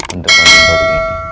untuk pandemi baru ini